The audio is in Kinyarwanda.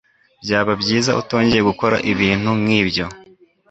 Byaba byiza utongeye gukora ibintu nkibyo.